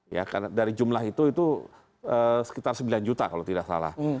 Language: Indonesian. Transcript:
ya karena dari jumlah itu itu sekitar sembilan juta kalau tidak salah